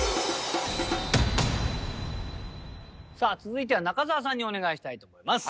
さあ続いては中澤さんにお願いしたいと思います。